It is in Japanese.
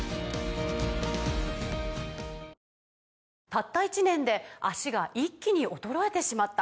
「たった１年で脚が一気に衰えてしまった」